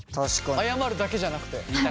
謝るだけじゃなくて。